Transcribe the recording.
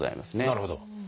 なるほど。